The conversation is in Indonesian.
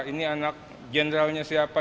ini anak jenderalnya siapa